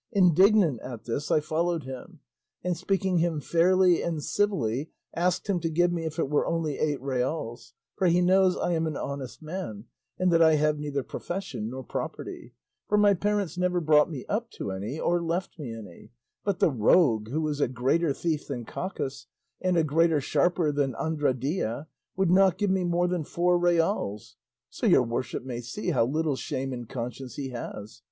Indignant at this I followed him, and speaking him fairly and civilly asked him to give me if it were only eight reals, for he knows I am an honest man and that I have neither profession nor property, for my parents never brought me up to any or left me any; but the rogue, who is a greater thief than Cacus and a greater sharper than Andradilla, would not give me more than four reals; so your worship may see how little shame and conscience he has.